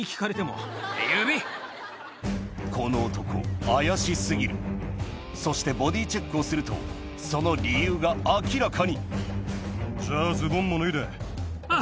この男怪し過ぎるそしてボディーチェックをするとその理由が明らかにあっ！